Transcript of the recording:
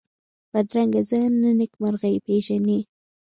بدرنګه ذهن نه نېکمرغي پېژني